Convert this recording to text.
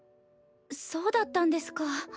そうだったんですか。